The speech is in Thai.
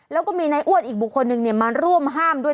แล้วก็มีนายอ้วนอีกบุคคลหนึ่งมาร่วมห้ามด้วย